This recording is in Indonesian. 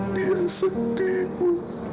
dia sedih bu